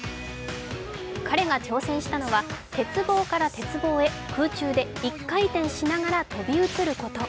彼が挑戦したのは鉄棒から鉄棒へ空中で１回転しながら飛び移ること。